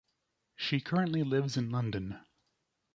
She currently lives in London.